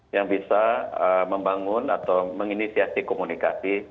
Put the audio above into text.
yang bisa membangun atau menginisiasi komunikasi